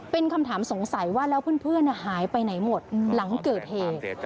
เป็นคำถามสงสัยว่าแล้วเพื่อนหายไปไหนหมดหลังเกิดเหตุ